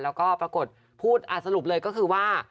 แล้วก็ปรากฏพูดสรุปเลยก็คือว่า